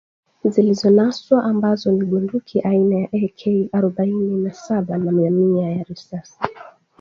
zilizonaswa ambazo ni bunduki aina ya AK arobaini na saba na mamia ya risasi